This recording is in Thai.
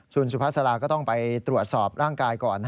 คุณสุภาษาลาก็ต้องไปตรวจสอบร่างกายก่อน